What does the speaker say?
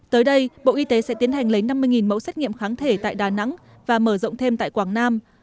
tới đây bộ y tế sẽ tiến hành lấy năm mươi mẫu xét nghiệm kháng thể tại đà nẵng và mở rộng thêm tại quảng nam